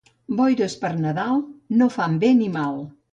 Boires per Nadal no fan bé ni mal.